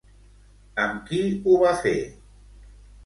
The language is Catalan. Amb qui ho va fer?